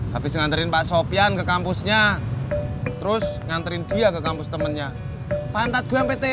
habis nganterin pak sopian ke kampusnya terus nganterin dia ke kampus temennya pantas gue mpt